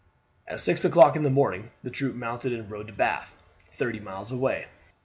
At six o'clock in the morning the troop mounted and rode to Bath, thirty miles away.